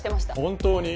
本当に？